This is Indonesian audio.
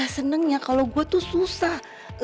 senangnya kalau gue tuh susah